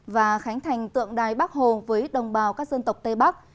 và khánh thành tượng đài bắc hồ với đồng bào các dân tộc tây bắc